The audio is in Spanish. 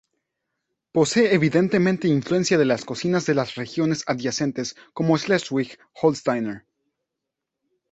Posee evidentemente influencia de las cocinas de las regiones adyacentes como la Schleswig-Holsteiner.